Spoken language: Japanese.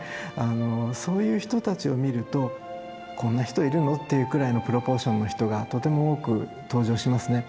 そういう人たちを見るとこんな人いるのっていうくらいのプロポーションの人がとても多く登場しますね。